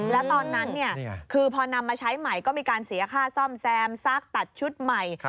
แล้วตอนนั้นคือพอนำมาใช้ใหม่ก็มีการเสียค่าซ่อมแซมซักตัดชุดใหม่